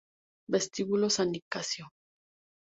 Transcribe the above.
Vestíbulo San Nicasio